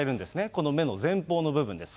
この目の前方の部分です。